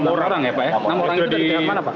enam orang itu dari mana pak